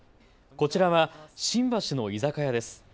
こちらは新橋の居酒屋です。